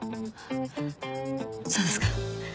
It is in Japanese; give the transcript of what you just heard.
そうですか。